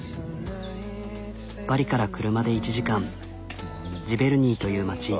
パリから車で１時間ジヴェルニーという町。